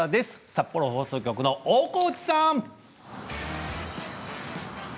札幌放送局の大河内さん。